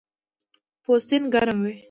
پوستین ګرم وي